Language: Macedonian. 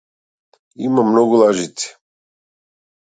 Има многу лажици.